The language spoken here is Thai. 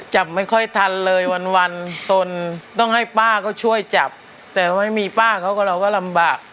จับไม่ค่อยทันเลยวันวันสนต้องให้ป้าก็ช่วยจับแต่ไม่มีป้าเขาก็ลำบาก